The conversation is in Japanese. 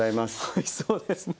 おいしそうですね。